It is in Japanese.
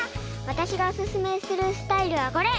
わたしがおすすめするスタイルはこれ。